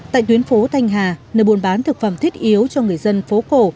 tại tuyến phố thanh hà nơi buôn bán thực phẩm thiết yếu cho người dân phố cổ